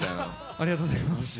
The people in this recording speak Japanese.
ありがとうございます。